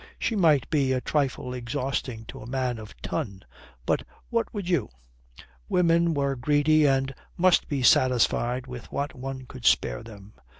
She might be a trifle exhausting to a man of ton. But what would you? Women were greedy and must be satisfied with what one could spare them.